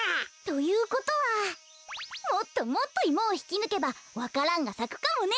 ということはもっともっとイモをひきぬけばわか蘭がさくかもね。